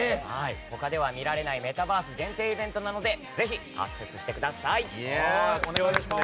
他では見られないメタバース限定イベントなのでぜひアクセスしてください。